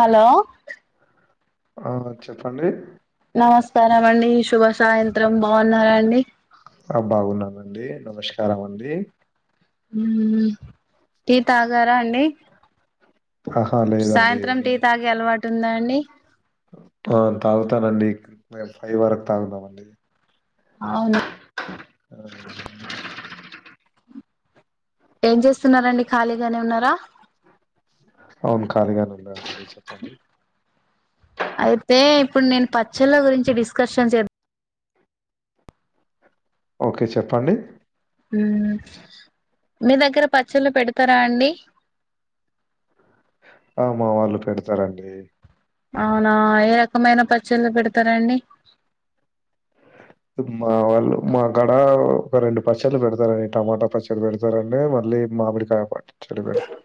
Hello ఆ చెప్పండి మాత్రరం బాగున్నారండి ఆ బాగున్నానండి నమస్కారం అండి హ క తాగారా అండి ఆహా! లేదండి. సాయంత్రం టీ తాగే అలవాటు ఉందా అండి ఆ తాగుతానండి ఫైవ్ వరకు తాగుదాం అండి అవునా అ ఏం చేస్తున్నారండి ఖాళీగానే ఉన్నారా అవును ఖాళీగానే ఉన్నా డి చెప్పండి అయితే ఇప్పుడు నేను పచ్చళ్ళ గురించి డిస్కషన్స్ చేద్ ఓకే చెప్పండి ఉమ్ మీ దగ్గర పచ్చళ్ళు పెడతారా అండి అ మా వాళ్ళు పెడతారండి అవునా ఏ రకమైన పచ్చళ్ళు పెడతారండి మా వాళ్ళు మా గాడ ఒక రెండు పచ్చళ్ళు పెడతారండి టమాటా పచ్చడి పెడతారండి మళ్ళీ మామిడికాయ పచ్చడి పెడతారం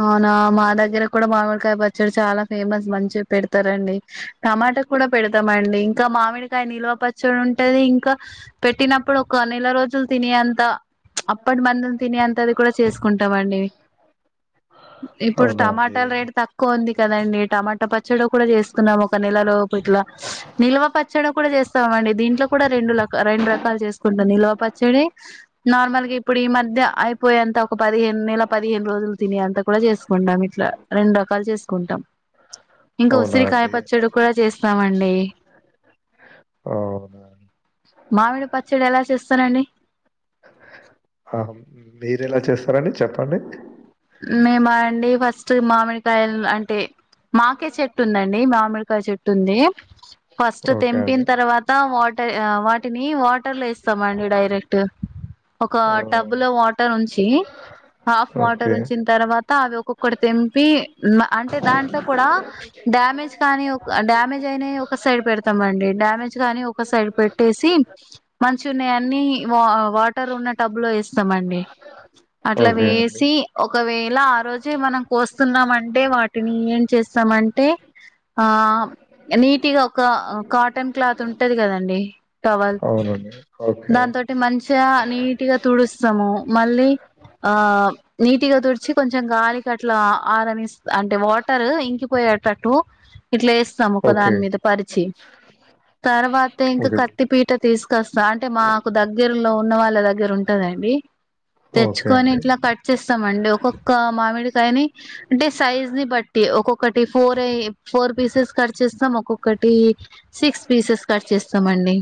అవునా మా దగ్గర కూడా మామిడికాయ పచ్చడి చాలా ఫేమస్ మంచిగా పెడతారండి టమాటా కూడా పెడతామండి ఇంకా మామిడికాయ నిల్వ పచ్చడి ఉంటది ఇంకా పెట్టినప్పుడు ఒక నెల రోజ్ లు తినే అంత అప్పటి మందులు తినే అంత అది కూడా చేసుకుంటామ అండి ఇప్పుడు అవునా అండి. టమాటాల రేట్ తక్కువ ఉంది కదండి టమాటా పచ్చడి కూడా చేసుకున్నాం ఒక నెలలోపూ ఇట్లా నిల్వ పచ్చడి కూడా చేస్తాం అండి దీంట్లో కూడా రెండు రక్ రెండు రకాలు చేసుకుంటాం నిల్వ పచ్చడి నార్మల్ గా ఇప్పుడు ఈ మధ్య అయిపోయే అంత ఒక పదిహేను నెల పదిహేను రోజులు తినే అంతా కూడా చేసుకుంటాం ఇట్లా రెండు రకాలు చేసుకుంటాం ఇంకా అవునా ఉసిరికాయ అండి. పచ్చడి కూడా చేస్ ఇస్తామండి అవునా అండి. మామిడి పచ్చడి ఎలా చేస్తారండి మీరేఎలా చేస్తారండి చెప్పండి మేము అండి ఫస్ట్ మామిడికాయ అంటే మాకే చెట్టు ఉందండి మామిడికాయ చెట్టు ఉంది ఫస్ట్ ఓకే తెంపిన అండి. తర్వాత వాటర్ వాటిని వాటర్ లో ఏ స్తామండి డైరెక్ట్ ఒక ఆ! టబ్బు లో వాటర్ ఉంచి హాఫ్ వాటర్ ఓకే. ఉ తర్వాత అవి ఒక్కొక్కటి తెింపి అంటే దాంట్లో కూడా డ్యామేజ్ కానీ ఒక డ్యామేజ్ అయి ఒక సైడ్ పె స్తామండి డ్యామేజ్ గాని వి ఒక సైడ్ పెట్టేసి మంచి ఉన్నాయ అన్ని వా వాటర్ ఉన్న టబ్ లో వేస్తామండి అట్లా ఓకే అండి. వేసి ఒకవేళ ఆ రోజే మనం కోస్తున్నామంటే వాటిని ఏం చేస్తామంటే ఆ నీటిగా క కాటన్ క్లాత్ ఉంటది కదండి టవల్ అవునండి. ఓకే. దా న్తోటి మంచిగా నీట్గా తుడుస్తాము మళ్ళీ ఆ నీట్గా తుడిచి కొంచెం గాలిక అట్లా ఆరనిస్ అంటే వాటర్ ఇంకి పోయేటట్లు ఇట్లా ఏస్తాము ఒక ఓకే. దాని మీద పరిచి తర్వాత ఇంకా ఓకే. కత్తిపీట తీసుకొస్తా అంటే మాకు దగ్గరలో ఉన్న వా లా దగ్గర ఉంటదండి ఓకే తెచ్చుకొని అండి. ఇట్లా కట్ చేస్తామండి ఒక్కొక్క మామిడికాయని అంటే సైజ్ ని బట్టి ఒక్కొక్క టిఫ. ఫోర్ ఫోర్ పీసెస్ కట్ చేస్తాం ఒక్కొక్కటి సిక్స్ పీసెస్ కట్ చేస్తామండి.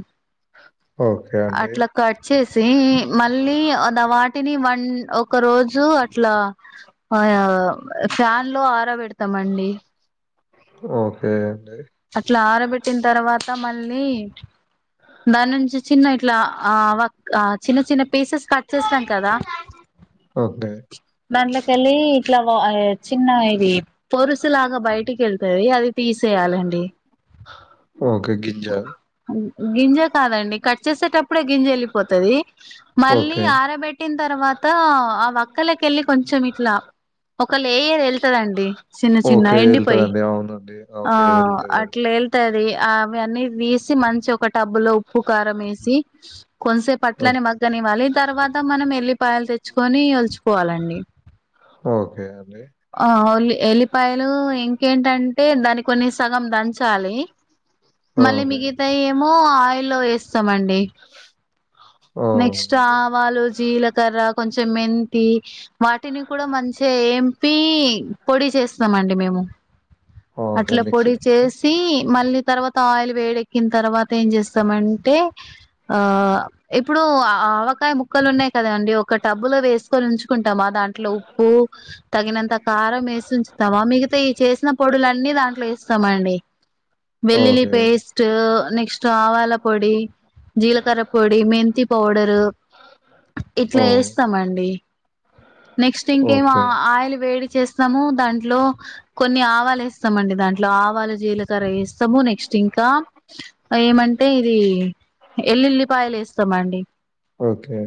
ఓకే అండి. అట్లా కట్ చేసి మళ్ళీ అద వాటిని వన్ ఒక రోజు అట్లా ఆ ఫ్యాన్ లో ఆరా పెడతామండి. ఓకే అట్లా ఆరబెట్టిన తర్వాత మళ్ళీ దాని నుంచి చిన్న ఇట్లా ఆ ఆ చిన్న చిన్న పీసెస్ కట్ చేస్తాం కదా ఓకే. దాన్ని ళ్లి ఇట్లా చిన్న ఇది పొరుసులాగా బయటికి వెళ్తుది అది తీసేయాలండి. ఓకే గింజా గింజా కాదండి కట్ చేసేటప్పుడే గింజ వెళ్ళిపోతుది మళ్ళీ ఓకే. ఆరబెట్టిన తర్వాత అతా ఆ వక్కలకిళ్ళి కొంచెం ఇట్లా ఒక లేయర్ వెళ్తుందిండి. ఓకే వెళ్తదండి అవునండి ఆ ఓకే. ఎళ్తది అది. అట్లా వెళ్త ది అవ అన్నీ తీసి మంచి ఒక టబ్బులో ఉప్పు కారం వేసి కొంతసేపు ఓ అట్లని మగ్గనివ్వాలి తర్వాత మనం ఎల్లిపాయలు తెచ్చుకొని ఒల్చుకోవాలండి. ఓకే అండి. ఆ అలి ఎలిపాయలు ఇం ఏంటంటే దాని కొన్ని సగం దంచాలి మళ్ళీ ఓకే. మిగతా ఏమో ఆయిల్లో వేస్తామండి నెక్స్ట్ అవునండి. ఆవాలు జీలకర్ర కొంచం కొంచం మెంతి వాటిని కూడా మంచిగా ఎంపి పొడి చేస్తామ అండి మేము. ఓకే. అట్ల పొడి మిక్స్‌డ్ అండి. చేసి మళ్ళీ తర్వాత ఆయిల్ వేడెక్కిన తర్వాత ఏం చేస్తామంటే ఆ ఇప్పుడు ఆవకాయ ముక్కలు ఉన్నాయి కద అండి ఒక టబ్బు లో వేసుకొని ఉంచుకుంటామా దాంట్లో ఉప్పు తగినంత. కారం వేసి ఉంచుతావా మిగతా ఈ చేసిన పొడులన్నీ దాంట్లో వేస్తామండి వెళ్ల్లిలి ఓకే. పేస్ట్ నెక్స్ట్ ఆవాల పొడి జీలకర పొడ్ మెంతి పోడారు ఓ ఇట్లా ఎస్తామండి నెక్స్ట్ ఇంకేం ఆ ఓకే. ఆయిల్ వేడి చేస్త్ స్తాము దాంట్లో కొన్ని ఆవాలు వేస్తామండి దాంట్లో ఆవాలు జీలకర్ర వేస్తాము నెక్స్ట్ ఇంకా ఏమంటే ఇది ఎల్లుల్లి ఉపాయలు ఎస్తమండి ఓకే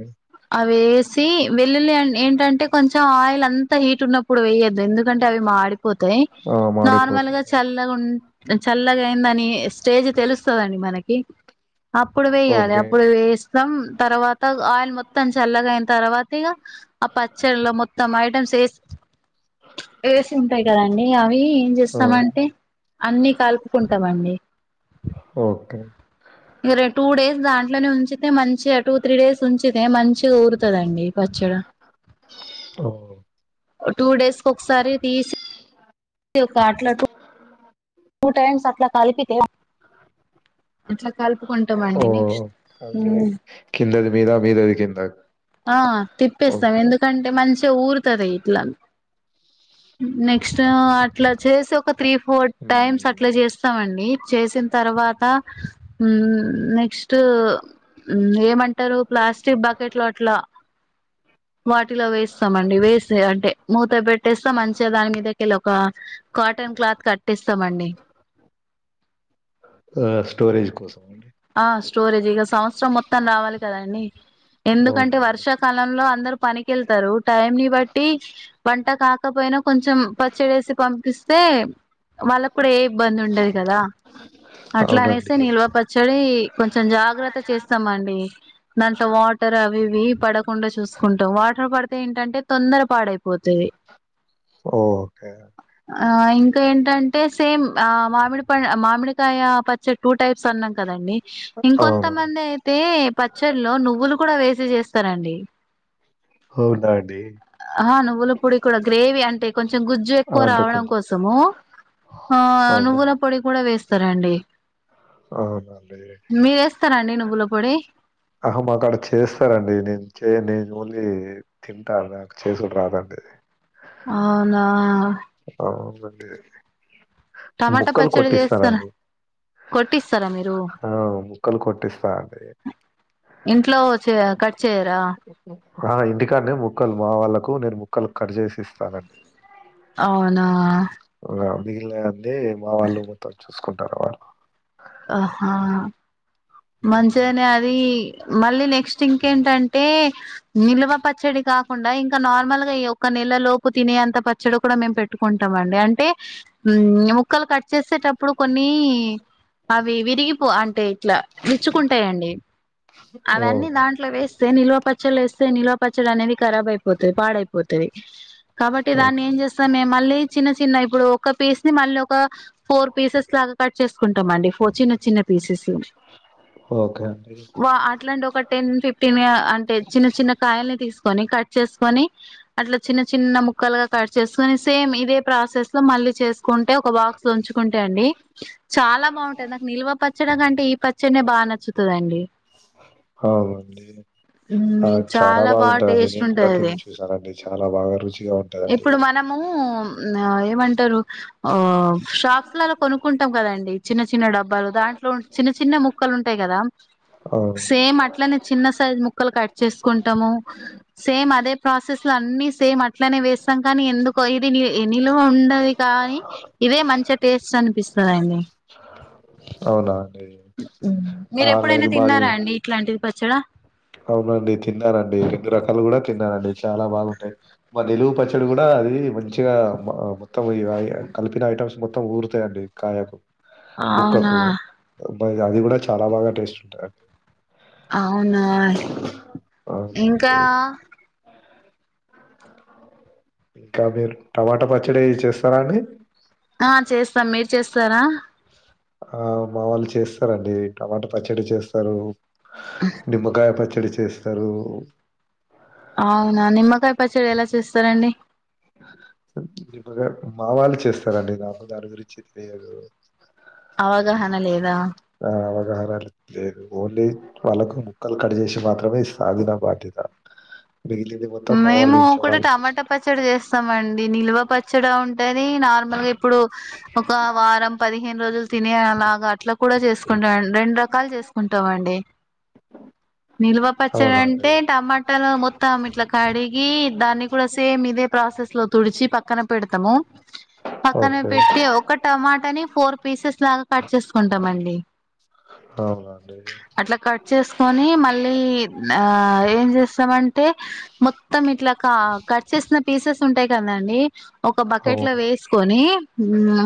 అ వేసి వెల్లుల్లి ఏంటంటే కొంచెం ఆయిల్ అంతా హీట్ ఉన్నప్పుడు వేయొద్దు ఎందుక్ ఎందుకంటే అవి మాడిపోతాయి ఆ! నార్మల్ మాడిపోతాయి. గా చల్లగ్ చల్లగాయిందని ఎస్ స్టేజ్ తెలుస్తదండి మనకి అప్పుడు వేయ్యాలి ఓకే. ఇప్పుడు వేస్తాం తర్వాత ఆయిల్ మొత్తం చల్లగాయిన తర్వాత ఇక ఆ పచ్చడిలో మొ తమ ఐటమ్స్ యెస్ వేసి ఉంటాయి కదండి అవి ఏం ఆ! చేస్తామంటే అన్నీ కలుప్ కుంటామండి ఓకే. మీ ర్ టూ డేస్ దాంట్లోనే ఉంచి తే మంచిగా టూ త్రీ డేస్ ఉంచి యే మంచిగా ఊరుతదండి ఎ పచ్చడా ఓహ్! టూ డేస్ ఒకసారి తీసి ఒకట్లా [unintelligible] టూ టైమ్స్ అట్లా కలిపితే అట్లా కలుపుకుంటామండి ఓహ్! నెక్స్ట్ అండి. కిందది మీద, మీదది కింద. ఆ ఆ తిప్పేస్తాం ఓకే. ఎందుకంటే మంచిగా ఊరుతద్ అదే ఇట్లా ఉమ్ నెక్స్ట్ అట్లా చేసి ఒక త్రీ ఫోర్ టైమ్స్ అట్లా హ్మ్. చేస్తామండి చేసిన తర్వాత ఉమ్ నెక్స్ట్ ఏమంటారు ప్లాస్టిక్ బకెట్ లో ట్లా వాటిలో వేస్తామండి వేసి అంటే మూత పెట్ కట్టేస్తాం మంచిగా దాని మీదకిెళ్ళ ఒక కాటన్ క్లాత్ కట్టేస్తామండి ఆ! స్టోరేజ్ కోసమా అండి? ఆ స్టోరేజ్ ఇగ సంవత్సరం మొత్తాం రావాల్ కదండీ ఎందుకంటే అవునవును. వర్షాకాలంలో అందరు పనికిెళ్తారు టైం ని బట్టి వంట కాకపోయినా కొంచెం పచ్చడి యేసి పంపిస్ తే వాళ్ళక్ అప్పుడ ఏ ఇబ్బంది ఉండది కదా అట్లా అవునండి. అనేసీ నిల్వా చ్ ప చెడి కొంచెం జాగ్రత్త చేస్తామండి దాంట్లో వాటర్ అవి ఇవి పడకుండా చూస్త కుంటాం వాటర్ పడితే ఏంటంటే తొందర పాడైపోతుంది ఓకే. ఆ ఇంకా ఏంటంటే సేమ్ ఆ మామిడి ప మామిడి ా పచ్చ టూ టైస్ అన్న కదండి అవును. ఇంకొంతమంది అయితే పచ్చడిలో నువ్వులు కూడా వేసి చేస్త ఇస్తారండి అవునా అండి ఆ నువ్వుల పొడి కూడా గ్రేవీ అంటే కొంచెం గుజ్జు ఆ, ఎక్కువ అంటే రావడం కొంచెం కోసము ఆ అవునా? నువ్వుల పొడి కూడా వేస్త సరేండి అవునా నువ్వుల పొడి అహా మాకు అడ చేస్తారండి నేను చేయ నను ఓన్లీ తింటారు నాకు చేసు రాదండి అవునా అవును అండి టమాటా పచ్చడి చేస్తారా కొట్టిస్తారా మీరు ఆ! ముక్కలు కొట్టిస్తా అండి. ఇంట్లో చే కట్ చేయరాా ఆ ఇంటికాండే ముక్కలు మా వాళ్ళలకు నేను ముక్కలు కట్ చేేసి ఇస్తానండి అవునా అడి న మా వాళ్ళు మత్త చూసుకుంటారు వాళ్ళు ఆహా హ్మ్. మంచిగానే అది మళ్ళీ నెక్స్ట్ ఇంకేంటంటే నిల్వ పచ్చడి కాక కుండా ఇంకా నార్మల్ గా ఈ ఒకక్క నెల లోపు తినేంత పచ్చడి కూడా మేము పెట్టుకుంటాం అండి అంటే ముక్కలు కట్ చేసేటప్పుడు కొన్ని అవి విరిగిపో అంటే ఇట్లా మెచ్చుకుంటాయంండి అవన్నీ అవును. దాంట్లో వేస్తే నిల్వపచ్చ పచ్చళ వేస్తే నిలో పచ్చలు అనేది రాబ్ అయిపోతుది పాడైపోతుది కాబట్టి దాన్ని ఏం చేస్తాం మేము మళ్ళీ చిన్న చిన్న ఇప్పుడు ఒక పీస్ ని మళ్ళీ ఒక ఫోర్ పీసెస్ లాగా కట్ చేసుకుంటాం అండి పో చిినన్న చిన్న స ఓకే అండి. వా అట్లాంటి ఒక టెన్ ఫిఫ్టీన్ అంటే చిన్న చిన్న కాయల్ని తీసుకు ని కట్ చేసుకొని అట్లా చిన్న చిన్న ముక్కలుగా కట్ చేసుకొని సేమ్ ఇదే ప్రాసెస్ లో మళ్ళీ చేకుంటే ఒక బాక్స్ ఉంచుకుంటా అండి చాలా బాగు నాకు నిల్వ పచ్చడి కంటే ఈ పచ్చనే బాగా నచ్చుతుందండి అవునండి. ఆ! చాలా బాగా బాగుంటదండి. టేస్ట్ నేను కూడా ఉంటది అది తిని చూసానండి. చాలా బాగా రుచిగా ఉంటదండి. ఇప్పుడు మనము ఏమంటారు ఆ షాక్స్ లలా కొనుకుంటాం కదండి చిన్న చి చిన్న డబ్బాలు దాంట్లో చిన్న చిన్న ముక్కలు ఉంటాయి కదా అవును. సేమ్ అట్లనే చిన్న సైజ్ ముక్కలు కట్ చేసుకుంటాము సేమ్ అదే ప్రాసెస్ లో అన్ని సేమ్ అట్లనే వేస్తాం కానీ ఎందుకు ఇది నిలువ ఉండది కానీ ఇదే మంచి టేస్ట్ అనిపిస్తుందిండి అవునా మీర ఆ! ఎప్పుడైనా లేదు మాది తిన్నారా అండి ఇట్లాంటిది ప చడ అవునండి తిన్నానండి ఎన్ని రకాలు కూడా తిన్నానండి చాలా బాగుంటాయి మా నిలువు పచ్చడి కూడా అది మంచిగా మొత్తం కలిపిన ఐటమ్స్ మొత్తం ఊరుతాయంండి కాయకు అవునా ముక్కకు అది కూడా చాలా బాగా టేస్ట్ ఉంటుంది అవునా ఇంకా అవునండి. ఇంకా మీరు టమాటా పచ్చడి చేస్తారా అండి ఆ చేస్తాం మీరు చేస్తారా ఆ మా వాళ్ళు చేస్తారంండి టమాటా పచ్చడి చేస్తారు నిమ్మకాయ పచ్చ డి చేస్తారు అవునా నిమ్కాయ పచ్చడి ఎలా చెస్ స్తారండి మా వాళ్ళు చేస్తారండి నా అమ్మ దాని గురించి తెలియదు అవగాహన లేదా ఆ లేదు ఓన్లీ వాళ్ళకు ముక్కలు కట్ చేేసి మాత్రమే ఇస్తా అది నా బాధ్యత. మిగిలింది మొత్తం మా వాళ్ళ మేము ఇంట్లో కూడా వాళ్ళు టమాటా చూసుకుంటారు పచ్చడి చేస్తామండి. ఇది నిల్వ పచ్చడ ఉంటది నార్మల్ గా ఇప్పుడు ఒక వారం పదిహేను రోజులు తినే అలాగా అట్లా కూడా చేసుకుంటారండి రెండు రకాలు చేసుకుంటామండి. నిల్వ పచ్చడ అవునండి అంటే టమాటాలు మొత్తం ఇట్లా. కడిగి దాన్ని కూడా సేమ్ ఇదే ప్రాసెస్ లో. తుడిచి పక్కన పెడతాము పక్కన ఓకే పెట్టి ఒక టమాటాని ఫోర్ పీసెస్ లాగా కట్ చేసుకుంటామండి అవునండి అట్లా కట్ చేసుకొని మళ్ళీ ఆ ఏం చేస్తామంటే, మొత్తం ఇట్లా కట్ చేసిన పీసు. ఉంటాయి కదాండి. ఒక బకెట్ లో అవును వేసుకొని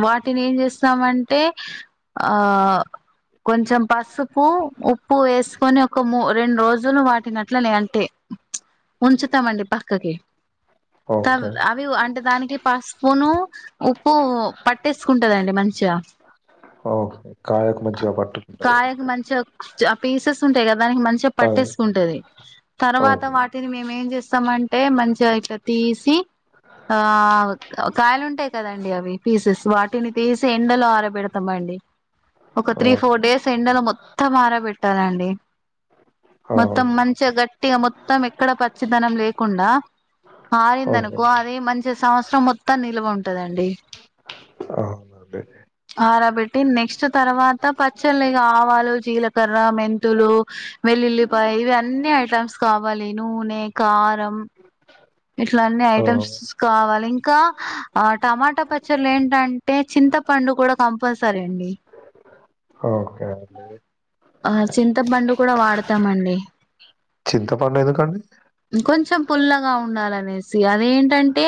వాటిని ఏం చేస్. స్తామంటే ఆ కొంచెం పసుపు ఉప్పు వేసుకొని ఒక ము రెండు రోజులు. జును వాటినట్లనే అంటే. ఉంచుతామండి పక్కకి. తవ్ ఓకే అవి అంటే దానికి. పాస్పూను ఉప్పు పట్టేసుకుంటదండి మంచిగా. ఓహో కాయకు మంచిగా పట్టుకుంటాది కాయకు మంచిగా ఆ పీసెస్ ఉంటాయి కదా. దానికి మంచిగా పట్టేసుకుంటది తర్వాత ఓకే వాటి. మేము ఏం చేస్తామంటే మంచిగా ఇట్లా తీసి. ఆ కాయలుంటాయి కదండి అవి పీసెస్ వాటిని తీసి ఎండలో ఆర. పెడతామండి. ఒక ఆ! Three four days. ఎండలో మొత్తం ఆరాబెట్టాలండి మొత్తం అవును. మంచిగా గట్టిగా మొత్తం. ఎక్కడ పచ్చితనం లేకుండా ఓకే ఆరిందనుకో అది మంచిగా సంవత్సరం మొత్తం నిల్వ ఉంటందండి అవునండి ఆరాబెట్టి నెక్స్ట్ తర్వాత పచ్చళ్ళ ఇక ఆవాలు జీలకర్ర మెంతులు వెల్లుల్లిపాయ ఇవి అన్నీ ఐటమ్స్ కావాలి. నూనే కారం. ఇట్లఅన్ని ఐటమ్స్ అవును. కావాలి ఇంకా ఆ టమాటా పచ్చళ్ళ ఏంటంటే చింతపండు కూడా కంపల్సరీ అండి. ఓకే అండి ఆ చింతపండు కూడా వాడతామండి. చింతపండు ఎందుకండి. కొంచెం పుల్లగా ఉండాలనేసి అది ఏంటంటే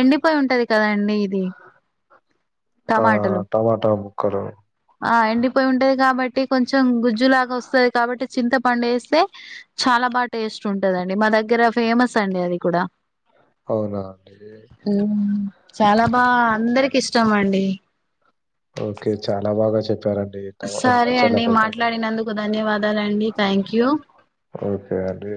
ఎండిపోయి ఉంటది కదండి ఇది. ఆ టమాటలు టమాటాము. కలు. ఆ ఎండిపోయి ఉంటది కాబట్టి కొంచెం గుజ్జులాగా వస్తది కాబట్టి చింతపండు ఏస్తే చాలా బాగా టేస్ట్ ఉంటదండి మా దగ్గర ఫేమస్ అండి అది కూడా. అవునా అండి ఉమ్ చాలా బా అందరికి ఇష్టం అం. డి ఓకే చాలా బాగా చెప్పారం సరే అండి మాట్లాడినందుకు ధన్యవాదాల అండి థ్యాంక్ యూ ఓకే అండి.